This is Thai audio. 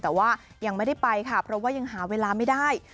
แต่ว่ายังไม่ได้ไปค่ะเพราะว่ายังหาเวลาไม่ได้